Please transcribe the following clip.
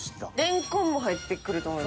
レンコンも入ってくると思う。